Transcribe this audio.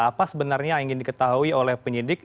apa sebenarnya yang ingin diketahui oleh penyidik